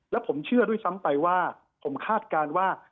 และผมเชื่อด้วยซ้ำไปว่าผมคาดการณ์ว่า